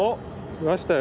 来ましたよ。